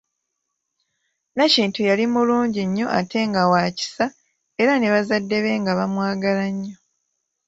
Nakintu yali mulungi nnyo ate nga wa kisa era ne bazadde be nga bamwagala nnyo.